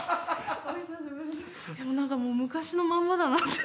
何かもう昔のまんまだなって。